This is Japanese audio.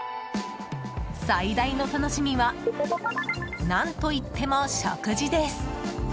最大の楽しみは何といっても食事です。